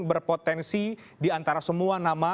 berpotensi diantara semua nama